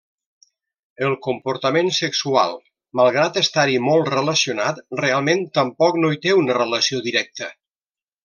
El comportament sexual, malgrat estar-hi molt relacionat, realment tampoc no hi té una relació directa.